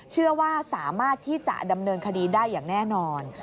เชื่อว่าสามารถที่จะดำเนินคดีได้อย่างแน่นอน